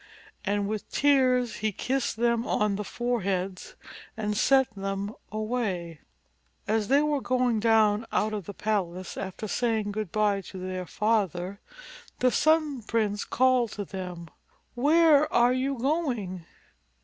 And with tears he kissed them on the fore heads and sent them away. As they were going down out of the palace, after saying good by to their father, the Sun Prince called to them, "Where are you going?"